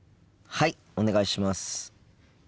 はいお願いします。